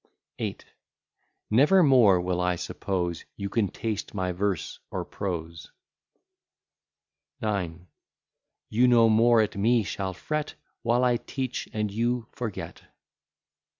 VIII Never more will I suppose, You can taste my verse or prose. IX You no more at me shall fret, While I teach and you forget.